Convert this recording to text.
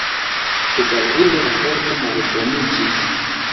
Bedaŭrinde, la formo malboniĝis.